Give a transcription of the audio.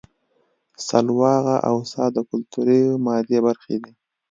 سلواغه او څا د کولتور مادي برخه ده